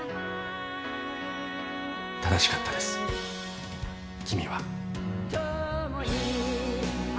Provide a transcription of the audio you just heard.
正しかったです君は。